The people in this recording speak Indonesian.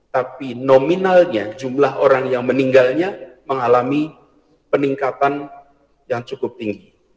tapi nominalnya jumlah orang yang meninggalnya mengalami peningkatan yang cukup tinggi